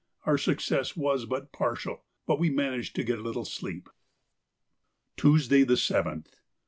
Our success was but partial, but we managed to get a little sleep. _Tuesday, the 7th.